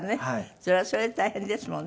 それはそれで大変ですもんね。